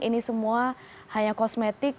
ini semua hanya kosmetik